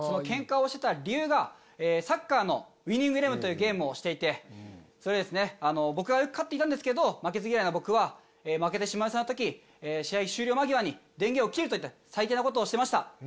ケンカをしてた理由がサッカーの『ウイニングイレブン』というゲームをしていて僕がよく勝っていたんですけど負けず嫌いな僕は負けてしまいそうな時試合終了間際に電源を切るといった最低なことをしてました。